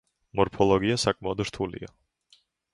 მორფოლოგია საკმაოდ რთულია.